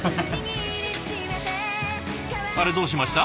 あれどうしました？